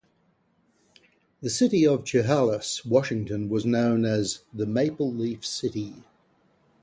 The city of Chehalis, Washington was known as "The Maple-Leaf City".